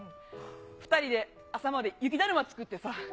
２人で朝まで雪だるま作ってさ。